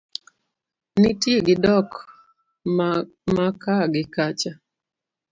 nitie gi dok maka gi kacha